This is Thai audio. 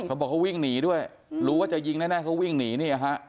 เขาบอกเขาวิ่งหนีด้วยรู้ว่าจะยิงแน่เขาวิ่งหนีเนี่ยฮะ